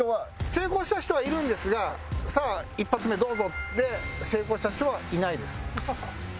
成功した人はいるんですが「さあ一発目どうぞ」で成功した人はいないです。